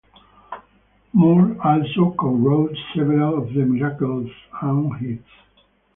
Moore also co-wrote several of The Miracles' own hits.